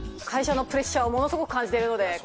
会社のプレッシャーをものすごく感じてるので。